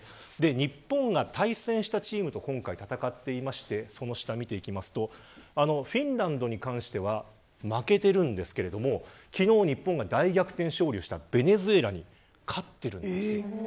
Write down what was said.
日本が対戦したチームと今回戦っていてフィンランドに関しては負けてるんですが昨日、日本が大逆転勝利したベネズエラに勝っているんですね。